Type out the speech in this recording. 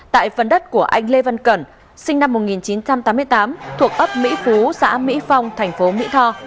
tại phần đất của anh lê văn cẩn sinh năm một nghìn chín trăm tám mươi tám thuộc ấp mỹ phú xã mỹ phong thành phố mỹ tho